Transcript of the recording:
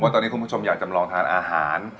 ตอนนี้คุณผู้ชมอยากจะลองทานอาหาร